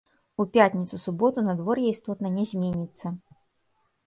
У пятніцу-суботу надвор'е істотна не зменіцца.